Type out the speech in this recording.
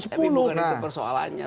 tapi bukan itu persoalannya